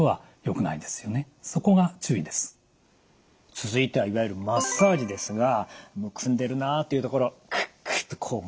続いてはいわゆるマッサージですがむくんでるなというところをくっくっとこうもんでいく